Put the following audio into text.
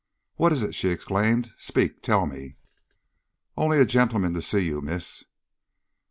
"What is it!" she exclaimed; "speak, tell me." "Only a gentleman to see you, miss."